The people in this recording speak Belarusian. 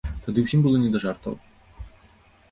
Тады ўсім было не да жартаў.